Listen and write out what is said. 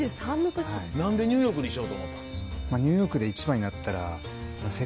何でニューヨークにしようと思ったんですか？